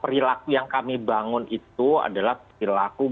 perilaku yang kami lakukan itu adalah perilaku yang kita lakukan